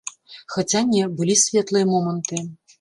Хаця не, былі светлыя моманты.